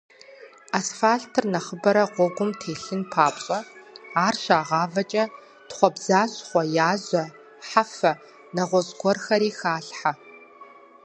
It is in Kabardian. Асфальтыр нэхъыбэрэ гъуэгум телъын папщӏэ, ар щагъавэкӏэ тхъуэбзащхъуэ, яжьэ, хьэфэ, нэгъуэщӏ гуэрхэри халъхьэ.